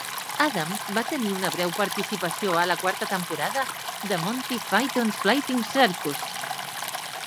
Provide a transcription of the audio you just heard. Adams va tenir una breu participació a la quarta temporada de "Monty Phyton's Flying Circus".